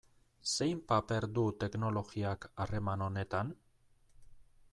Zein paper du teknologiak harreman honetan?